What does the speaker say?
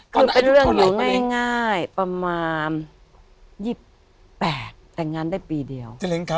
ก็เป็นเรื่องอยู่ง่ายประมาณ๒๘แต่งงานได้ปีเดียว